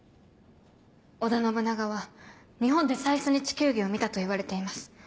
織田信長は日本で最初に地球儀を見たといわれています。